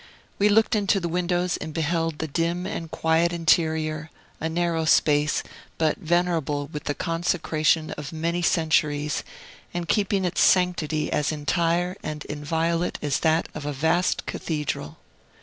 We looked into the windows and beheld the dim and quiet interior, a narrow space, but venerable with the consecration of many centuries, and keeping its sanctity as entire and inviolate as that of a vast cathedral.